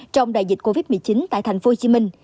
trong đại dịch covid một mươi chín tại tp hcm